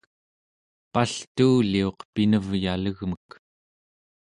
paltuuliuq pinevyalegmek